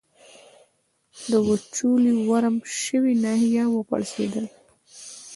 د وچولې ورم شوې ناحیه و پړسېدل.